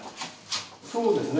そうですね